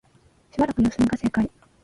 しばらく様子見が正解